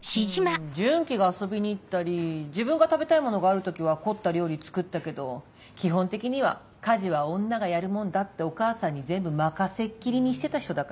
うん順基が遊びに行ったり自分が食べたいものがある時は凝った料理作ったけど基本的には「家事は女がやるもんだ」ってお母さんに全部任せっきりにしてた人だから。